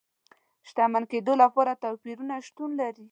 د شتمن کېدو لپاره توپیرونه شتون لري.